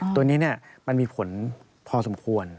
ตัวนี้มันมีผลพอสมควร